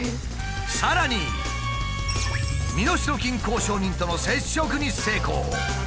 さらに身代金交渉人との接触に成功！